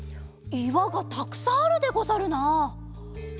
いわがたくさんあるでござるな。